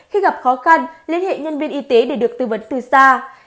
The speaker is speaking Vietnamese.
khi gặp khó khăn liên hệ nhân viên y tế để được tư vấn từ xa